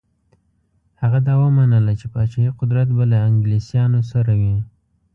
هغه دا ومنله چې پاچهي قدرت به له انګلیسیانو سره وي.